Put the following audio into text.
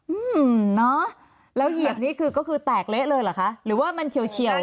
อืมเนอะแล้วเหยียบนี่คือก็คือแตกเละเลยเหรอคะหรือว่ามันเฉียว